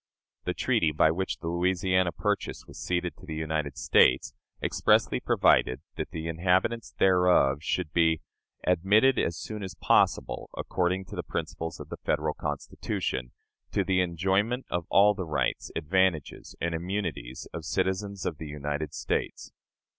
The treaty by which the Louisiana territory was ceded to the United States expressly provided that the inhabitants thereof should be "admitted, as soon as possible, according to the principles of the Federal Constitution, to the enjoyment of all the rights, advantages, and immunities of citizens of the United States."